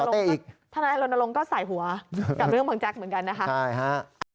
นี่ทนายรณรงค์ก็ใส่หัวกับเรื่องบางจากเหมือนกันนะครับต่อสาวเต้อีก